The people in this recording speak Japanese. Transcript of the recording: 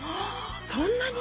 そんなに？